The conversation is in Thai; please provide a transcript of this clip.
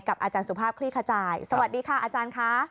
อาจารย์สุภาพคลี่ขจายสวัสดีค่ะอาจารย์ค่ะ